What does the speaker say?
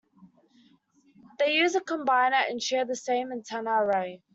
They use a combiner and share the same antenna array.